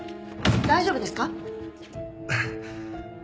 大丈夫ですか？